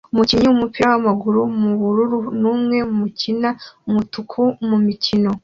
Umukinnyi wumupira wamaguru mubururu numwe mukina umutuku mumikino